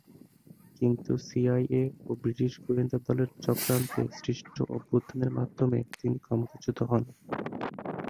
কিন্তু সিআইএ ও ব্রিটিশ গোয়েন্দা দলের চক্রান্তে সৃষ্ট অভ্যুত্থানের মাধ্যমে তিনি ক্ষমতাচ্যুত হন।